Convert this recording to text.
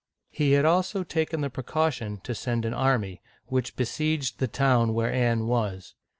He had also taken the precaution to send an army, which besieged the town where Anne was.